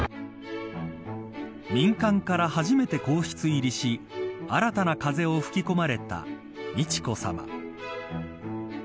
民間から初めて皇室入りし新たな風を吹き込まれた美智子さま。